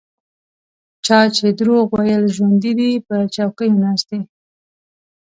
چا چې دروغ ویل ژوندي دي په چوکیو ناست دي.